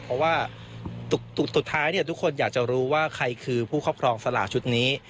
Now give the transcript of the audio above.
เพราะว่าสุดท้ายทุกคนอยากจะรู้ว่าใครคือผู้ครอบครองสลากชุดนี้